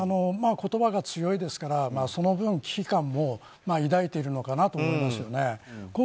言葉が強いですからその分、危機感も抱いているのかなと思います。